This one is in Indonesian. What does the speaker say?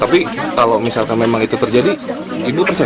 tapi kalau misalkan memang itu terjadi ibu percaya